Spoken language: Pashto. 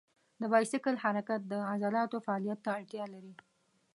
د بایسکل حرکت د عضلاتو فعالیت ته اړتیا لري.